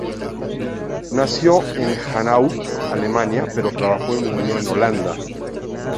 Nació en Hanau, Alemania, pero trabajó y murió en Holanda.